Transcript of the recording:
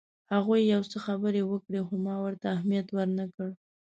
هغوی یو څه خبرې وکړې خو ما ورته اهمیت ورنه کړ.